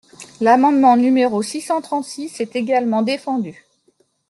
L’amendement numéro six cent trente-six est également défendu.